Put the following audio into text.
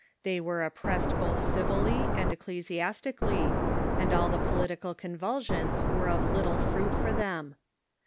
They were oj^pressed both civilly and thTReSatio'n ecclesiastically, and all the political convulsions were of little fruit for them.